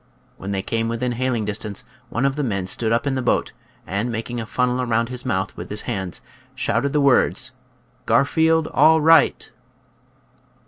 When they came within hailing distance one of the men stood up in the boat, and making a funnel around his mouth with his hands, shouted the words, " Garfield all right."